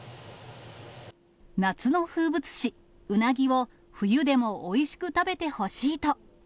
夏の風物詩、うなぎを冬でもおいしく食べてほしいと。